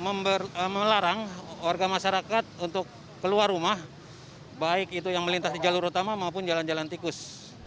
melarang warga masyarakat untuk keluar rumah baik itu yang melintas di jalur utama maupun jalan jalan tikus